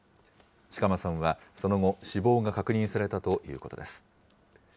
志鎌さんはその後、死亡が確認されたということです。